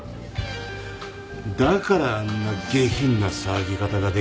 だからあんな下品な騒ぎ方ができるんだな。